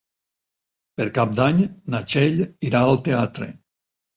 Per Cap d'Any na Txell irà al teatre.